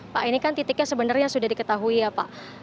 pak ini kan titiknya sebenarnya sudah diketahui ya pak